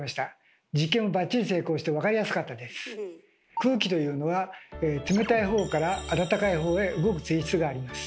空気というのは冷たいほうからあたたかいほうへ動く性質があります。